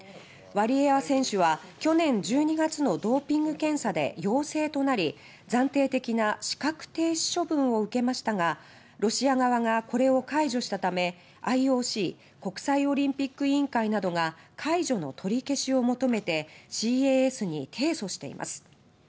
ワリエワ選手は、去年１２月のドーピング検査で陽性となり暫定的な資格停止処分を受けましたがロシア側がこれを解除したためＩＯＣ・国際オリンピック委員会などが解除の取り消しを求めてＣＡＳに提訴しています。